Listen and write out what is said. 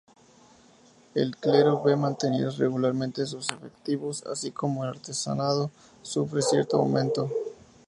El clero ve mantenidos regularmente sus efectivos, así como el artesanado sufre cierto aumento.